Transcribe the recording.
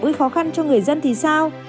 với khó khăn cho người dân thì sao